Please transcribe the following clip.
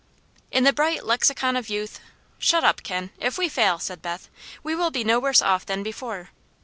"In the bright lexicon of youth " "Shut up, Ken. If we fail," said Beth, "we will be no worse off than before."